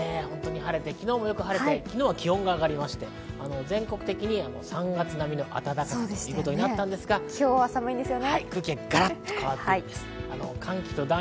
昨日もよく晴れて、昨日は気温が上がりまして、全国的に３月並みの暖かさとなりましたが、今日は寒いんですよね。